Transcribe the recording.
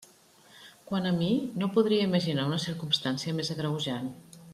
Quant a mi, no podria imaginar una circumstància més agreujant.